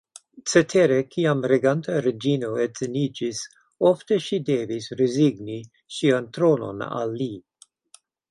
Cetere, kiam reganta reĝino edziniĝis, ofte ŝi devis rezigni ŝian tronon al li.